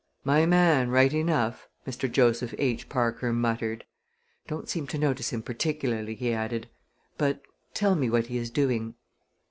"My man, right enough," Mr. Joseph H. Parker muttered. "Don't seem to notice him particularly," he added, "but tell me what he is doing."